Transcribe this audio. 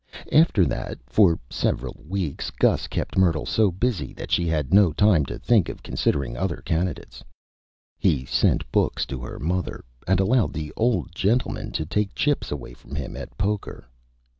After that, for several Weeks, Gus kept Myrtle so Busy that she had no Time to think of considering other Candidates. He sent Books to her Mother, and allowed the Old Gentleman to take Chips away from him at Poker.